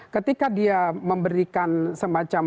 ketika dia memberikan semacam